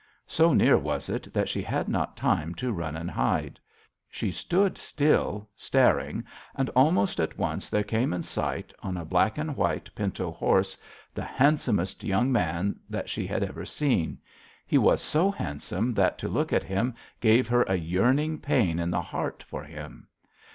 So near was it that she had not time to run and hide. She stood still, staring, and almost at once there came in sight, on a black and white pinto horse, the handsomest young man that she had ever seen. He was so handsome that to look at him gave her a yearning pain in the heart for him.